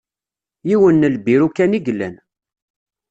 Yiwen n lbiru kan i yellan.